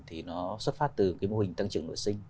thì nó xuất phát từ cái mô hình tăng trưởng nội sinh